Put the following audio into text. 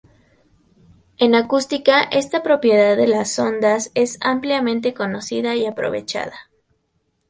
En acústica esta propiedad de las ondas es ampliamente conocida y aprovechada.